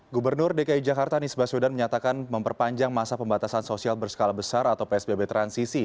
gubernur dki jakarta anies baswedan menyatakan memperpanjang masa pembatasan sosial berskala besar atau psbb transisi